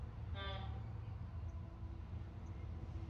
Yolg‘on beviqor qilur odamni, Yolg‘on sharmisor qilur odamni.